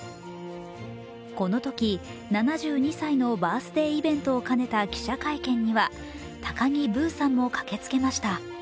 このとき７２歳のバースデーイベントを兼ねた記者会見には、高木ブーさんも駆けつけました。